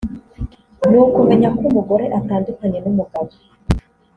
ni ukumenya ko umugore atandukanye n’umugabo